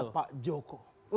ada pak joko